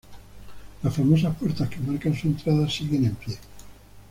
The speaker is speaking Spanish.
Las famosas puertas que marcan su entrada siguen en pie.